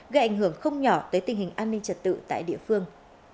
gây ảnh hưởng không nhỏ tới tình hình an ninh trật tự tại địa phương